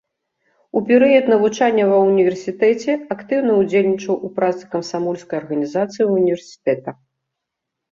У перыяд навучання ва ўніверсітэце актыўна ўдзельнічаў у працы камсамольскай арганізацыі ўніверсітэта.